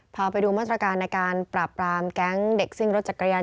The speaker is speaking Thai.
พาไปดูมาตรการในการปราบปรามแก๊งเด็กซิ่งรถจักรยาน